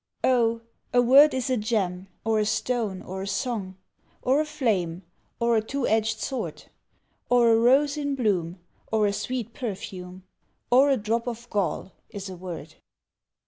OH, a word is a gem, or a stone, or a song, Or a flame, or a two edged sword; Or a rose in bloom, or a sweet perfume, Or a drop of gall, is a word.